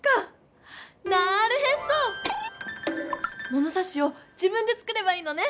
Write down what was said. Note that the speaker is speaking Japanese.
ものさしを自分で作ればいいのね！